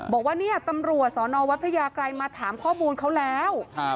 บอกว่าเนี่ยตำรวจสอนอวัดพระยากรัยมาถามข้อมูลเขาแล้ว